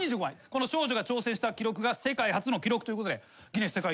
この少女が挑戦した記録が世界初の記録ということでギネス世界記録に認定される。